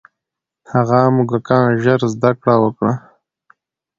هغه موږکان ژر زده کړه وکړه.